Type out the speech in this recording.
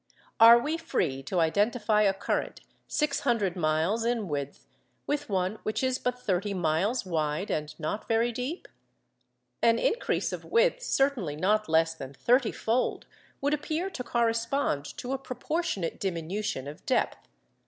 Are we free to identify a current six hundred miles in width with one which is but thirty miles wide, and not very deep? An increase of width certainly not less than thirtyfold would appear to correspond to a proportionate diminution of depth.